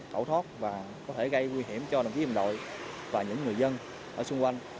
tẩu thoát có thể gây nguy hiểm cho đồng chí hình đội và những người dân ở xung quanh